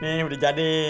nih udah jadi